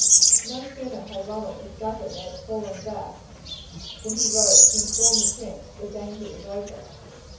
No sooner had Ronald discovered that they had fallen back than he rode off to inform the prince that the danger was over.